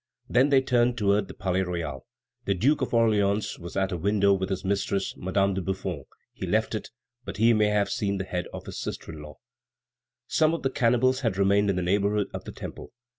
Then they turned toward the Palais Royal. The Duke of Orleans was at a window with his mistress, Madame de Buffon. He left it, but he may have seen the head of his sister in law. Some of the cannibals had remained in the neighborhood of the Temple.